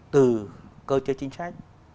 từ cơ chế chính sách